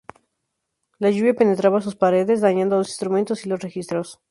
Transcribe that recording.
La lluvia penetraba sus paredes, dañando los instrumentos y los registros.